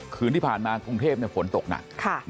คืนที่ผ่านมากรุงเทพฝนตกหนัก